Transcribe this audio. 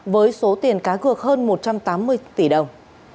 với số tiền cá cược hơn một trăm tám mươi tỷ đồng